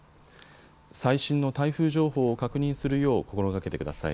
最新の台風情報を確認するよう心がけてください。